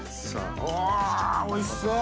おおいしそう！